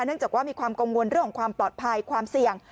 จากว่ามีความกังวลเรื่องของความปลอดภัยความเสี่ยง